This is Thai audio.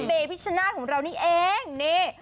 เมพิชนาธิของเรานี่เองนี่